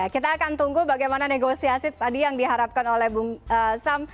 kita akan tunggu bagaimana negosiasi tadi yang diharapkan oleh bung sam